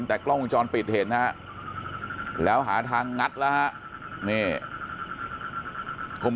แต่กล้องวงจรปิดเห็นฮะแล้วหาทางงัดแล้วฮะ